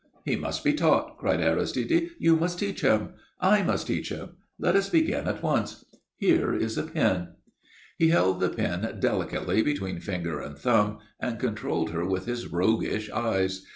"He must be taught," cried Aristide. "You must teach him. I must teach him. Let us begin at once. Here is a pin." He held the pin delicately between finger and thumb, and controlled her with his roguish eyes.